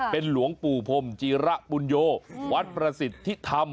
เป็นหลวงปู่พรมจีระปุญโยวัดประสิทธิธรรม